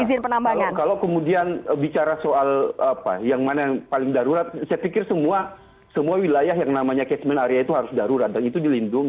kalau kemudian bicara soal apa yang mana yang paling darurat saya pikir semua wilayah yang namanya catchment area itu harus darurat dan itu dilindungi